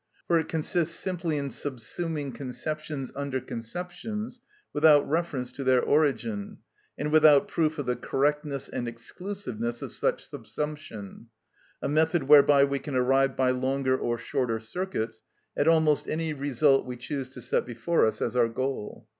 For it consists simply in subsuming conceptions under conceptions, without reference to their origin, and without proof of the correctness and exclusiveness of such subsumption—a method whereby we can arrive by longer or shorter circuits at almost any result we choose to set before us as our goal.